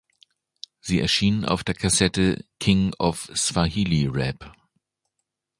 Sie erschien auf der Kassette "King of Swahili Rap".